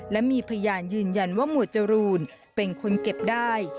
และมีพยานยืนยันว่าหมวดจรูนเป็นคนเก็บได้